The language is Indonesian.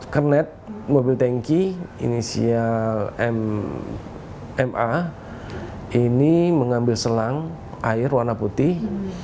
kernet mobil tanki inisial mma ini mengambil selang air warna putih